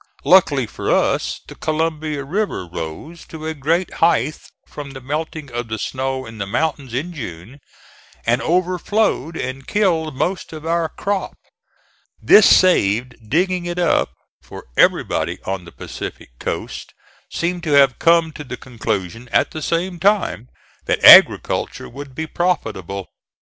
Luckily for us the Columbia River rose to a great height from the melting of the snow in the mountains in June, and overflowed and killed most of our crop. This saved digging it up, for everybody on the Pacific coast seemed to have come to the conclusion at the same time that agriculture would be profitable.